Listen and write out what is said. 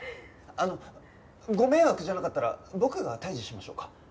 あのご迷惑じゃなかったら僕が退治しましょうか？